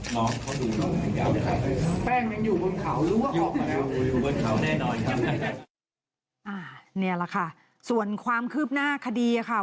นี่แหละค่ะส่วนความคืบหน้าคดีค่ะ